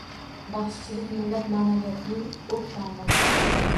Baxshichilik - millat ma’naviyatining o‘q tomiri